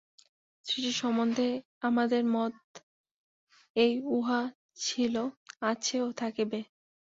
সৃষ্টি সম্বন্ধে আমাদের মত এই উহা ছিল, আছে ও থাকিবে।